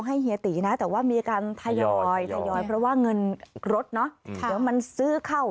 ต้องให้เหยียตินี้นะแต่ว่ามีกันภายวอย่างเราว่าเงินรถนะเดี๋ยวมันซื้อเข้า